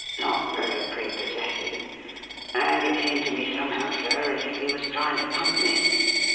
Not very prepossessin'. And it seemed to me somehow, sir, as if he was trying to pump me."